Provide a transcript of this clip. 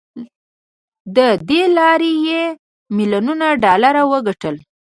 له دې لارې يې ميليونونه ډالر وګټل.